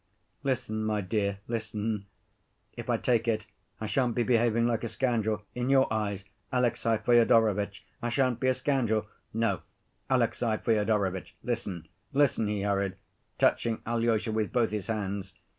"Listen, my dear, listen. If I take it, I shan't be behaving like a scoundrel? In your eyes, Alexey Fyodorovitch, I shan't be a scoundrel? No, Alexey Fyodorovitch, listen, listen," he hurried, touching Alyosha with both his hands.